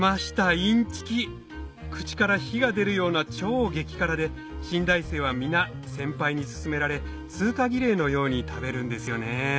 インチキ口から火が出るような超激辛で信大生は皆先輩にすすめられ通過儀礼のように食べるんですよね